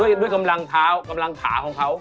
ด้วยกำลังเท้ากำลังขาของเขา